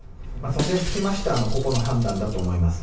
その点につきましては個々の判断だと思います。